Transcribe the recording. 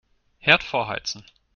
Herd vorheizen.